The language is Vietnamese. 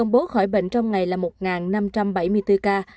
công bố khỏi bệnh trong ngày là một năm trăm bảy mươi bốn ca